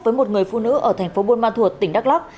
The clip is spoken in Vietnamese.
với một người phụ nữ ở thành phố buôn ma thuột tỉnh đắk lắc